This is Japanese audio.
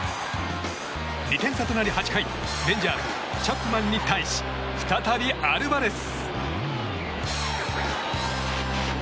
２点差となり８回レンジャーズチャップマンに対し再びアルバレス。